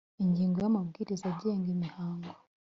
ingingo ya amabwiriza agenga imihango